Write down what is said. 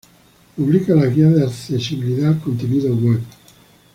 Publica las Guías de Accesibilidad al Contenido Web.